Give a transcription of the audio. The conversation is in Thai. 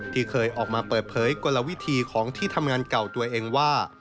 ที่เคยออกมาเปิดเผยกลวิธีของที่ทำงานเก่าตัวเองว่า